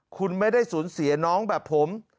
คุณไม่ได้สูญเสียน้องแบบผม